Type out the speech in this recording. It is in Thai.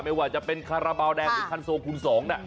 ไม่ว่าจะเป็นคาราบาลแดงส์ทันทรงคุณสองนะ